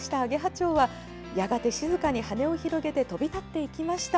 チョウはやがて静かに羽を広げて飛び立っていきました。